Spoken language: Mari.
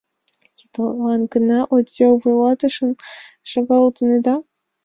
— Тидлан гына отдел вуйлатышылан шогалтынеда?